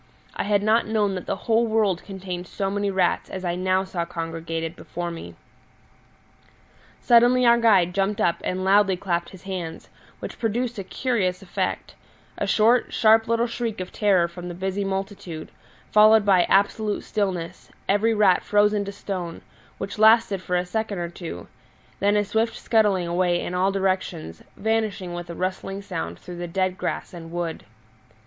I had not known that the whole world contained so many rats as I now saw congregated before me. Suddenly our guide jumped up and loudly clapped his hands, which produced a curious effect a short, sharp little shriek of terror from the busy multitude, followed by absolute stillness, every rat frozen to stone, which lasted for a second or two; then a swift scuttling away in all directions, vanishing with a rustling sound through the dead grass and wood.